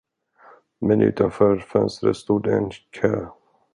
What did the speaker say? Men utanför fönstret stod en kö.